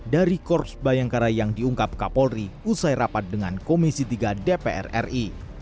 dari korps bayangkara yang diungkap kapolri usai rapat dengan komisi tiga dpr ri